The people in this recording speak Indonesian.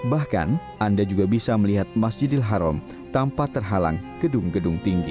bahkan anda juga bisa melihat masjidil haram tanpa terhalang gedung gedung tinggi